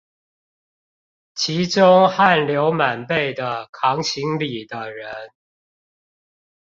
其中汗流滿背地扛行李的人